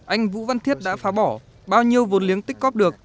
anh vũ văn thiết đã phá bỏ bao nhiêu vốn liếng tích cóp được